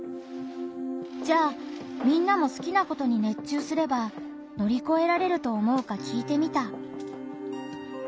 じゃあみんなも好きなことに熱中すれば乗り越えられると思うか聞いてみた。